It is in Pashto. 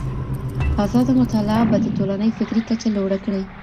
ازاده مطالعه به د ټولني فکري کچه لوړه کړي.